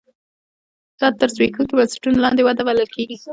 دا تر زبېښونکو بنسټونو لاندې وده بلل کېږي.